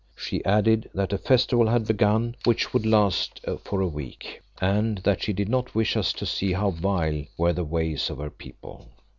She added that a festival had begun which would last for a week, and that she did not wish us to see how vile were the ways of her people.